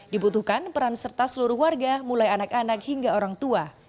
dibutuhkan peran serta seluruh warga mulai anak anak hingga orang tua